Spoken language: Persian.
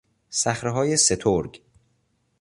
صخرههای سترگ